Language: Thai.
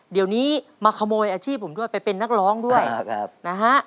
เข้าไปไปเป็นนักร้องด้วยนะฮะ